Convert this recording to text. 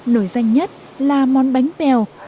nổi danh nhất là món bánh bèo